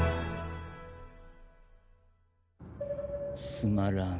つまらん。